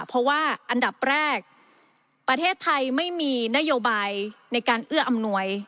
เพราะว่าอันดับแรกประเทศไทยไม่มีนโยบายในการเอื้ออำนวย